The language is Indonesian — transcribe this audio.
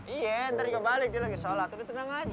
iya ntar kebalik dia lagi sholat udah tenang aja